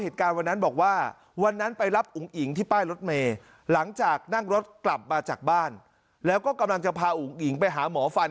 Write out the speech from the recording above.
ที่ป้ายรถเมล์หลังจากนั่งรถกลับมาจากบ้านแล้วก็กำลังจะพาอุ๋งอิ่งไปหาหมอฟัน